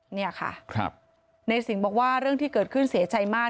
เนี่ยค่ะในสิงห์บอกว่าเรื่องที่เกิดขึ้นเสียใจมาก